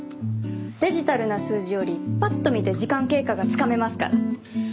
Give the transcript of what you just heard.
デジタルな数字よりぱっと見て時間経過がつかめますから。